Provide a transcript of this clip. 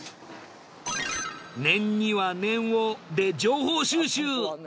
念には念をで情報収集。